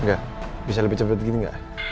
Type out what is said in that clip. enggak bisa lebih cepat begini enggak